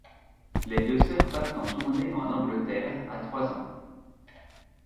Les deux soeurs partent en tournée en Angleterre à trois ans.